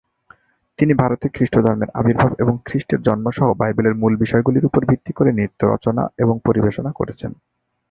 তিনি ভারতে খ্রিস্টধর্মের আবির্ভাব এবং খ্রিস্টের জন্ম সহ বাইবেলের মূল বিষয়গুলির উপর ভিত্তি করে নৃত্য রচনা এবং পরিবেশনা করেছেন।